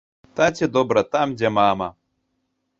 Таце добра там, дзе мама.